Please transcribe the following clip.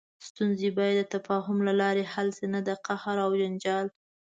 ستونزې باید د تفاهم له لارې حل شي، نه د قهر او جنجال.